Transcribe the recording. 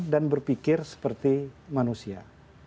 dan berpikir seperti manusia